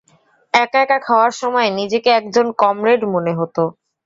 একা একা খাওয়ার সময়ে নিজেকে একজন কমরেড মনে হত।